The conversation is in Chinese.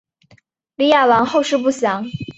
李雅郎后事不详。